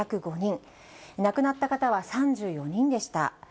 亡くなった方は３４人でした。